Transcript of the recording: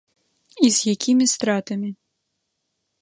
І з якімі стратамі.